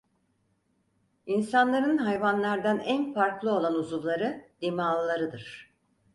İnsanların hayvanlardan en farklı olan uzuvları, dimağlarıdır.